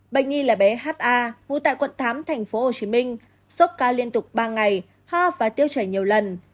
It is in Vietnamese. bệnh nhi là bé ha ngủ tại quận tám tp hcm sốc cao liên tục ba ngày hoa và tiêu chảy nhiều lần